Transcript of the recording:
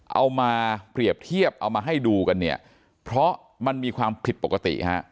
เอามาเปรียบเทียบเอามาให้ดูกันเนี่ยเพราะมันมีความผิดปกติฮะ